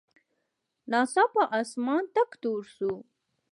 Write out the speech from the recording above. ناڅاپه اسمان تک تور شو.